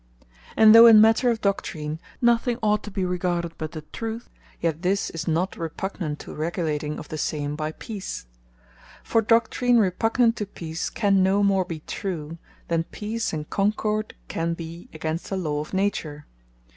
And though in matter of Doctrine, nothing ought to be regarded but the Truth; yet this is not repugnant to regulating of the same by Peace. For Doctrine Repugnant to Peace, can no more be True, than Peace and Concord can be against the Law of Nature.